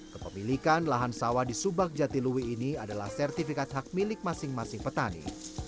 kepemilikan lahan sawah di subak jatiluwi ini adalah sertifikat hak milik masing masing petani